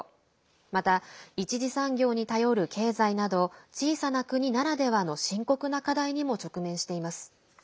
また、一次産業に頼る経済など小さな国ならではの深刻な課題にも直面しています。